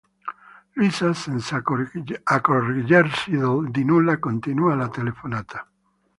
Luisa, senza accorgersi di nulla, continua la telefonata.